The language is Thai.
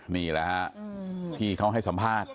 นี่แหละฮะที่เขาให้สัมภาษณ์